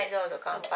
乾杯。